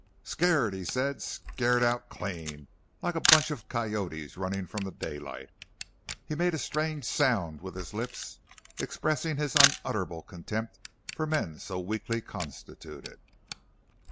"Scared!" he said. "Scared out clean like a bunch of coyotes runnin' from the daylight!" He made a strange sound with his lips, expressing his unutterable contempt for men so weakly constituted.